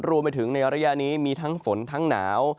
รวมไปถึงในระยะนี้มีทั้งฝนทั้งหนาว